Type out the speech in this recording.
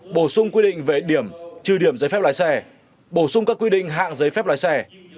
bổ sung quy định về điểm trừ điểm giấy phép lái xe bổ sung các quy định hạng giấy phép lái xe